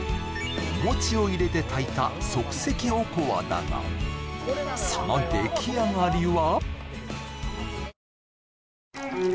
お餅を入れて炊いた即席おこわだがその出来上がりは？